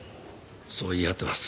そう言い張ってます。